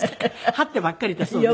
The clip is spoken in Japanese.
はってばっかりいたそうです。